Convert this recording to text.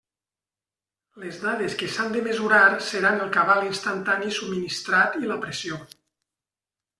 Les dades que s'han de mesurar seran el cabal instantani subministrat i la pressió.